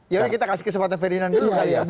yaudah kita kasih kesempatan perinan dulu